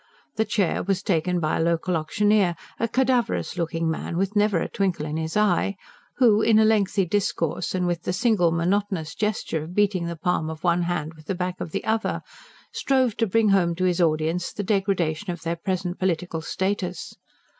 The chair was taken by a local auctioneer, a cadaverous looking man, with never a twinkle in his eye, who, in a lengthy discourse and with the single monotonous gesture of beating the palm of one hand with the back of the other, strove to bring home to his audience the degradation of their present political status.